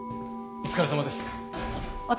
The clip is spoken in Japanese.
お疲れさまです。